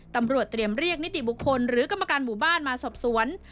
ตำรวจเตรียมเรียกนิติบุคคลหรือกรรมการหมู่บ้านมาสอบสวน